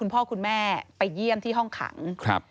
ไปเยี่ยมที่ห้องขัง